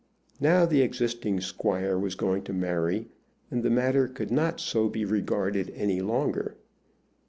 Now the existing squire was going to marry, and the matter could not so be regarded any longer.